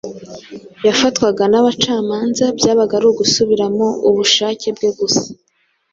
yafatwaga n’abacamanza byabaga ari ugusubiramo ubushake bwe gusa.